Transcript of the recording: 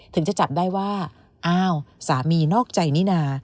ถึงจะจับได้ว่าอ้าวสามีนอกใจนี่นา